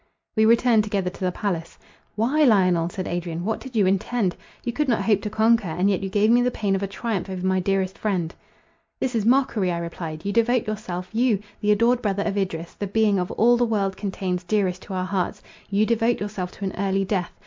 We returned together to the palace. "Why, Lionel," said Adrian, "what did you intend? you could not hope to conquer, and yet you gave me the pain of a triumph over my dearest friend." "This is mockery," I replied, "you devote yourself,—you, the adored brother of Idris, the being, of all the world contains, dearest to our hearts—you devote yourself to an early death.